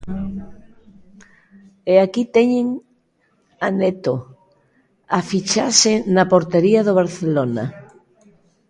E aquí teñen a Neto, a fichaxe na portería do Barcelona.